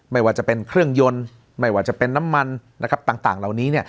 ไม่ว่าจะเป็นเครื่องยนต์ไม่ว่าจะเป็นน้ำมันต่างเหล่านี้